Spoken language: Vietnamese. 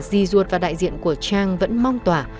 di ruột và đại diện của trang vẫn mong tỏa